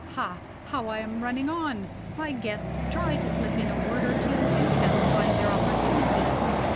Ha how I am running on. My guests try to slip in a word or two, and can't find their opportunity.